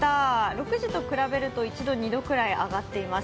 ６時と比べると１度、２度くらい上がっています。